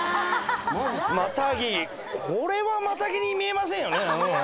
これはマタギに見えませんよね。